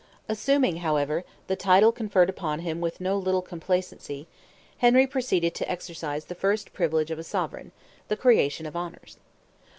Assuming, however, the title conferred upon him with no little complacency, Henry proceeded to exercise the first privilege of a sovereign, the creation of honours.